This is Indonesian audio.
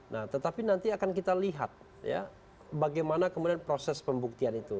nah tetapi nanti akan kita lihat ya bagaimana kemudian proses pembuktian itu